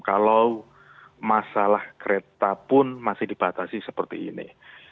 kalau masalah kereta pun masih dibatasi seperti ini